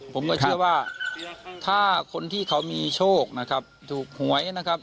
ผมก็เชื่อว่าถ้าคนที่เขามีโชคนะครับถูกหวยนะครับ